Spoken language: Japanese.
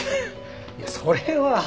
いやそれは。